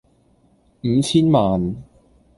五千萬